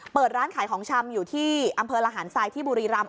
เปิดร้านขายของชำอยู่ที่อำเภอระหารทรายที่บุรีรำ